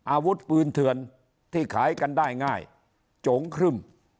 อาวุธปืนเถื่อนที่ขายกันได้ง่ายโจ๋งครึ่ม